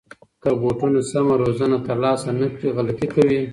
که روبوټونه د سمه روزنه ترلاسه نه کړي، غلطۍ کوي.